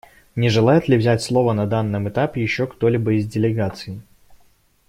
Не желает ли взять слово на данном этапе еще кто-либо из делегаций?